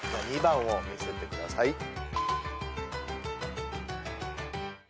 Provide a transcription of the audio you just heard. ２番を見せてください。